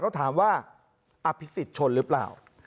เขาถามว่าอภิสิทธิ์ชนหรือเปล่า